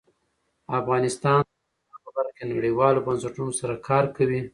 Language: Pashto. افغانستان د نورستان په برخه کې نړیوالو بنسټونو سره کار کوي.